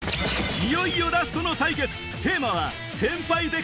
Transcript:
いよいよラストの対決